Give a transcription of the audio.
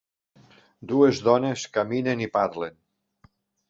Dues donen caminen i parlen.